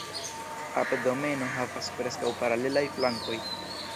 Abdomeno havas preskaŭ paralelaj flankoj.